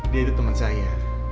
dia itu temen saya